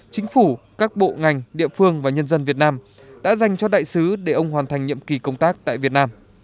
chính phủ các bộ ngành địa phương và nhân dân việt nam đã dành cho đại sứ để ông hoàn thành nhiệm kỳ công tác tại việt nam